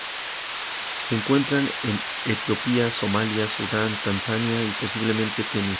Se encuentra en Etiopía, Somalia, Sudán, Tanzania, y, posiblemente, Kenia.